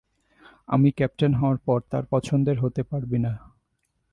আমি ক্যাপ্টেন হওয়ার পর তার পছন্দের হতে পারবি না।